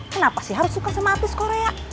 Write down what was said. kenapa sih harus suka sama artis korea